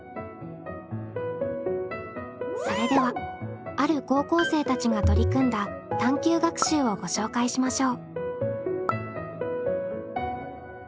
それではある高校生たちが取り組んだ探究学習をご紹介しましょう。